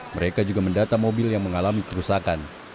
mereka juga mendata mobil yang mengalami kerusakan